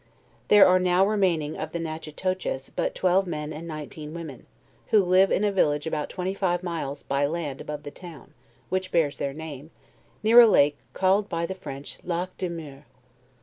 There are now remaining of the Natchitoches but twelve men and nineteen women, who live in a village about twenty live miles by land above the town, which bears their name, near a lake, called by the French Lac de Muire.